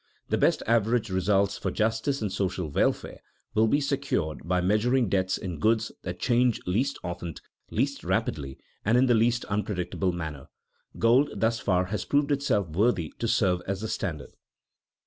The best average results for justice and social welfare will be secured by measuring debts in goods that change least often, least rapidly, and in the least unpredictable manner. Gold thus far has proved itself worthy to serve as the standard.